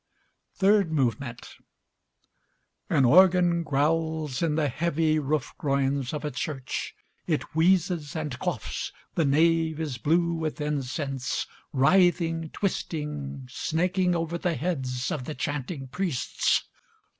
Third Movement An organ growls in the heavy roof groins of a church, It wheezes and coughs. The nave is blue with incense, Writhing, twisting, Snaking over the heads of the chanting priests.